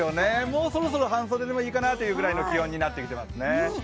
もうそろそろ半袖でもいいかなというくらいの気温になってきていますね。